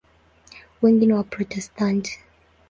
Wengi ni Waprotestanti.